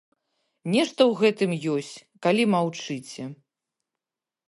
Нешта ў гэтым ёсць, калі маўчыце.